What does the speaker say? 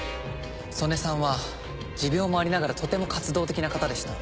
曽根さんは持病もありながらとても活動的な方でした。